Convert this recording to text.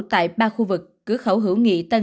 tại ba khu vực cửa khẩu hữu nghị tân